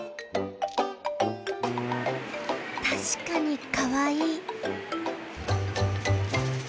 確かにかわいい。